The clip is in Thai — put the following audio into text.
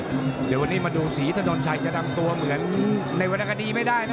เดี๋ยววันนี้มาดูศรีถนนชัยจะทำตัวเหมือนในวรรณคดีไม่ได้นะ